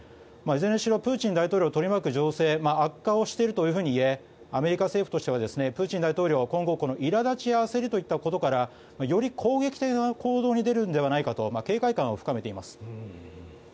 いずれにしろプーチン大統領を取り巻く情勢が悪化しているといえアメリカ政府としてはプーチン大統領は今後このいら立ちや焦りといったことからより攻撃的な行動に出るのではないかと警戒感を高めています。